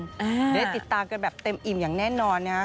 จะได้ติดตามกันแบบเต็มอิ่มอย่างแน่นอนนะ